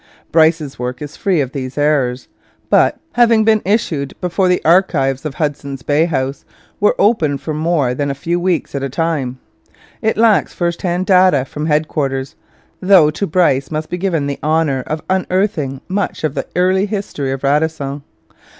Bryce's work is free of these errors, but, having been issued before the Archives of Hudson's Bay House were open for more than a few weeks at a time, it lacks first hand data from headquarters; though to Bryce must be given the honour of unearthing much of the early history of Radisson.